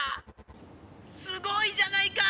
すごいじゃないか！